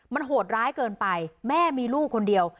มันโหดร้ายเกินไปแม่มีลูกคนเดียว